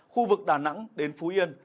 khu vực đà nẵng đến phú yên